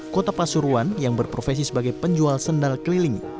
kota pasuruan yang berprofesi sebagai penjual sendal keliling